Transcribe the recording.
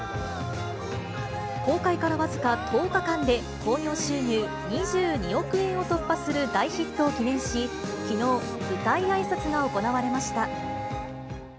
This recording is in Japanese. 公開から僅か１０日間で、興行収入２２億円を突破する大ヒットを記念し、きのう、舞台あいさつが行われました。